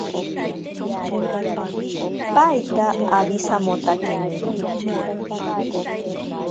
Paita awisamotakemiri.